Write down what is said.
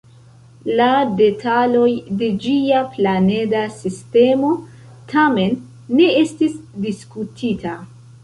La detaloj de ĝia planeda sistemo, tamen, ne estis diskutita.